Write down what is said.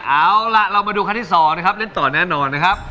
เอาล่ะเรามาดูครั้งที่๒นะครับเล่นต่อแน่นอนนะครับ